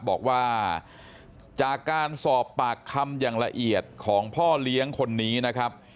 บอกว่าจากการสอบปากคำอย่างละเอียดของพ่อเลี้ยงคนนี้นะครับ